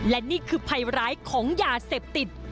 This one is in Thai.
และนี่คือภัยร้ายของยาเสพติด